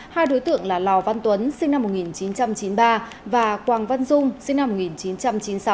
hai đối tượng là lò văn tuấn sinh năm một nghìn chín trăm chín mươi ba và quang văn dung sinh năm một nghìn chín trăm chín mươi sáu